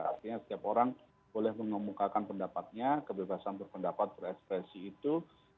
artinya setiap orang boleh mengemukakan pendapatnya kebebasan berpendapat berekspresi itu